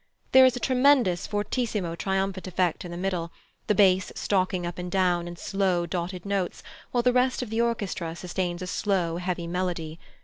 There is a tremendous fortissimo triumphant effect in the middle, the bass stalking up and down in slow dotted notes, while the rest of the orchestra sustains a slow, heavy melody.